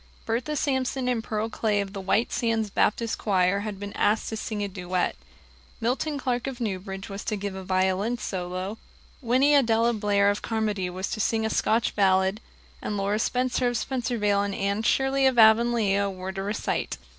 Bertha Sampson and Pearl Clay of the White Sands Baptist choir had been asked to sing a duet; Milton Clark of Newbridge was to give a violin solo; Winnie Adella Blair of Carmody was to sing a Scotch ballad; and Laura Spencer of Spencervale and Anne Shirley of Avonlea were to recite.